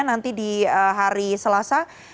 nanti di hari selasa